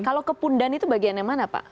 kalau kepundan itu bagiannya mana pak